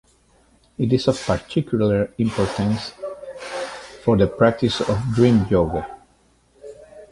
It is of particular importance for the practice of dream yoga.